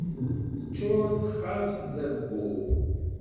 Teččur texxamt d abbu.